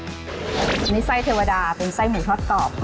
อันนี้ไส้เทวดาเป็นไส้หมูทอดกรอบ